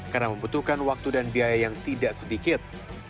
karena membutuhkan waktu dan biaya yang tidak sedikit